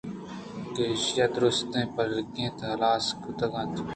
کہ ایشی ءَ درٛست پِلکّ اِت ءُ ہلاس کُتنت